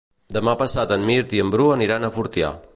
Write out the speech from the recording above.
Demà passat en Mirt i en Bru aniran a Fortià.